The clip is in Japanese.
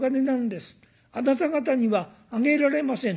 あなた方にはあげられません」。